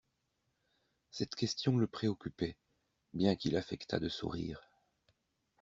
Cette question le préoccupait, bien qu'il affectât de sourire.